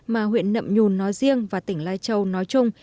mà huyện nậm nhùn nói riêng và tỉnh lai châu nói chung